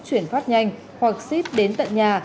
chuyển phát nhanh hoặc ship đến tận nhà